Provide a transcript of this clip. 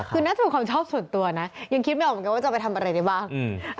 คือน่าจะเป็นความชอบส่วนตัวนะยังคิดไม่ออกเหมือนกันว่าจะไปทำอะไรได้บ้างอืม